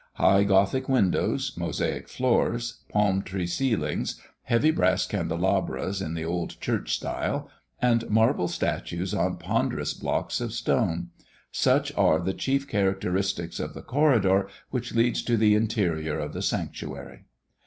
High Gothic windows, Mosaic floors, palm tree ceilings, heavy brass candelabras in the old church style, and marble statues on ponderous blocks of stone such are the chief characteristics of the corridor which leads to the interior of the sanctuary.